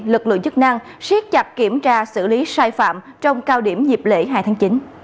lực lượng chức năng siết chặt kiểm tra xử lý sai phạm trong cao điểm dịp lễ hai tháng chín